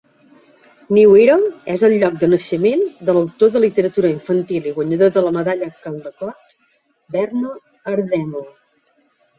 New Era és el lloc de naixement de l'autor de literatura infantil i guanyador de la medalla Caldecott, Verna Aardema.